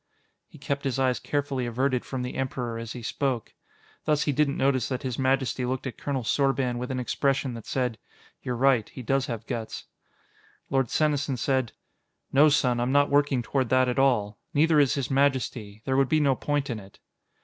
He kept his eyes carefully averted from the Emperor as he spoke. Thus he didn't notice that His Majesty looked at Colonel Sorban with an expression that said, "You're right. He does have guts." Lord Senesin said: "No, son; I'm not working toward that at all. Neither is His Majesty. There would be no point in it."